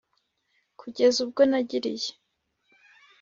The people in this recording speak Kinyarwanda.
Kugeza ubwo nagiriye